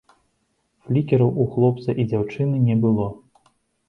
Флікераў у хлопца і дзяўчыны не было.